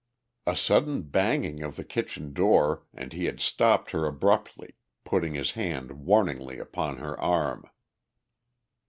A sudden banging of the kitchen door, and he had stopped her abruptly, putting his hand warningly upon her arm.